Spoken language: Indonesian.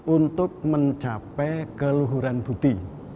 untuk mencapai keluhuran budi